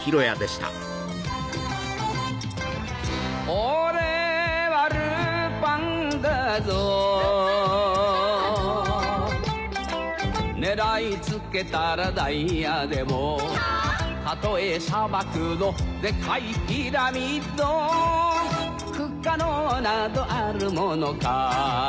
オレはルパンだぞ狙いつけたらダイヤでもたとえ砂漠のでかいピラミッド不可能などあるものか